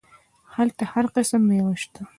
هلته هر قسم ميوه سته.